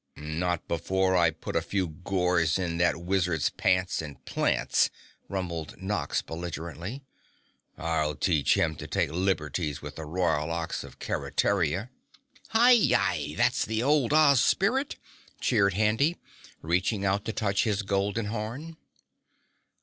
"Not before I put a few gores in that Wizard's pants and plans," rumbled Nox belligerently. "I'll teach him to take liberties with the Royal Ox of Keretaria." "Hi yigh! That's the old Oz spirit!" cheered Handy, reaching out to touch his golden horn.